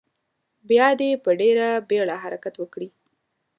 بیا دې په ډیره بیړه حرکت وکړي.